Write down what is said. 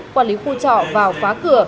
quản lý khu trọ vào phá cửa